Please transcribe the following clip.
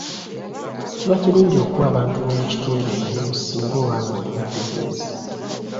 Kiba kirungi okuwa abantu b'omu kitundu emirimu singa oba ng'olina bizinensi.